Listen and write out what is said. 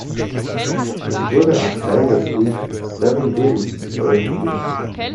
Es wurde als Teil der Suite "Seven Dreams" veröffentlicht.